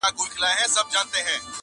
چي پرون مي د نيکونو وو، نن زما دی!!..